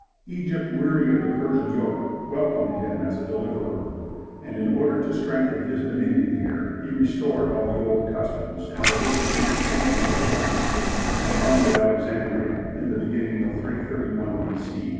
Egypt, weary of the Persian yoke, welcomed him as a deliverer; and in order to strengthen his dominion here, he restored all the old customs and religious institutions of the country, and founded Alexandria in the beginning of 331 B.C.